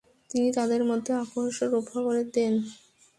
তিনি তাদের মধ্যে আপস রফা করে দেন।